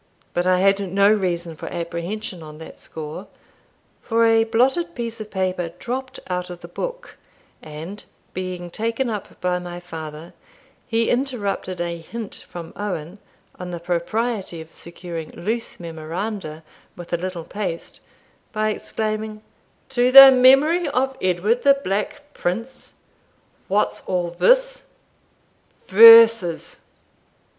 But I had no reason for apprehension on that score; for a blotted piece of paper dropped out of the book, and, being taken up by my father, he interrupted a hint from Owen, on the propriety of securing loose memoranda with a little paste, by exclaiming, "To the memory of Edward the Black Prince What's all this? verses!